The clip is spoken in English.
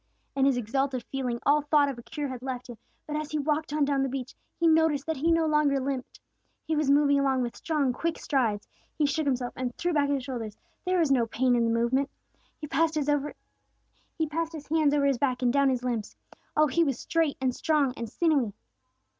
In his exalted feeling all thought of a cure had left him; but as he walked on down the beach, he noticed that he no longer limped. He was moving along with strong, quick strides. He shook himself and threw back his shoulders; there was no pain in the movement. He passed his hands over his back and down his limbs. Oh, he was straight and strong and sinewy!